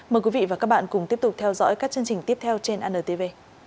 mời quý vị và các bạn cùng tiếp tục theo dõi các chương trình tiếp theo trên antv